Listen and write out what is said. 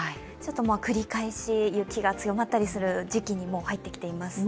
繰り返し雪が強まったりする時期にもう入ってきています。